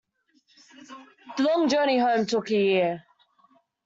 The long journey home took a year.